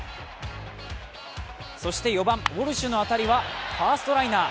そして４番・ウォルシュの当たりはファーストライナー。